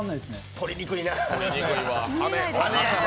撮りにくいな。